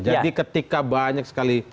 jadi ketika banyak sekali